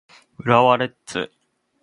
浦和レッズ